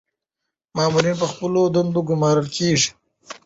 مامورین په خپلو دندو ګمارل کیږي.